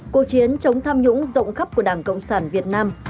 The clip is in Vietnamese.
cuộc chiến chống tham nhũng rộng khắp của đảng cộng sản việt nam